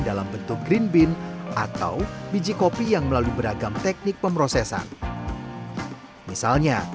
dalam bentuk green bean atau biji kopi yang melalui beragam teknik pemrosesan misalnya